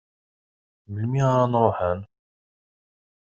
Melmi ara n-ruḥen?